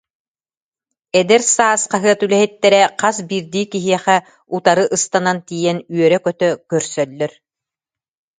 «Эдэр саас» хаһыат үлэһиттэрэ хас биирдии киһиэхэ утары ыстанан тиийэн үөрэ- көтө көрсөллөр